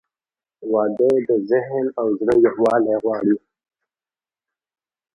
• واده د ذهن او زړه یووالی غواړي.